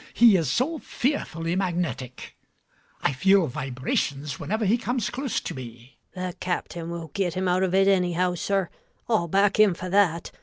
He is so fearfully magnetic: I feel vibrations whenever he comes close to me. GUINNESS. The captain will get him out of it anyhow, sir: I'll back him for that.